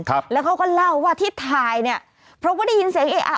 ครับแล้วเขาก็เล่าว่าที่ถ่ายเนี้ยเพราะว่าได้ยินเสียงเอ๊ะอ่ะ